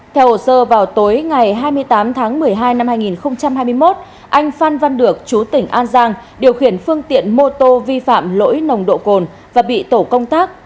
theo hồ sơ vào tối ngày hai mươi tám tháng một mươi hai năm hai nghìn hai mươi một anh phan văn được chú tỉnh an giang điều khiển phương tiện mô tô vi phạm lỗi nồng độ cồn và bị tổ công tác